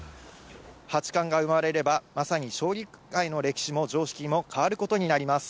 八冠が生まれればまさに将棋界の歴史も常識も変わることになります。